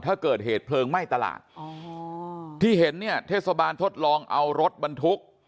ถ้าเกิดเหตุเพลิงไหม้ตลาดอ๋อที่เห็นเนี่ยเทศบาลทดลองเอารถบรรทุก